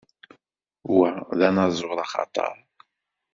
Wa d anaẓur axatar.